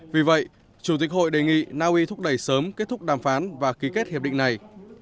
vì vậy chủ tịch hội đề nghị naui thúc đẩy sớm kết thúc đàm phán và ký kết hiệp định này